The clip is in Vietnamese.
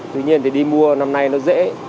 tuy nhiên thì đi mua năm nay nó dễ